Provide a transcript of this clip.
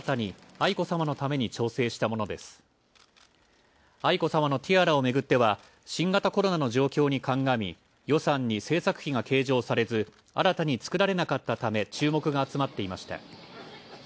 愛子さまのティアラをめぐっては新型コロナの状況に鑑み、予算に制作費が計上されず新たに作られなかったため注目が集まっていました。